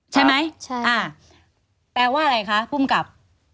ใช่ไหมแปลว่าอะไรคะภูมิกลับ